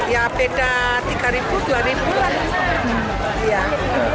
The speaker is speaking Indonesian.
ya beda tiga dua lah